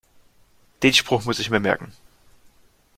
Den Spruch muss ich mir merken.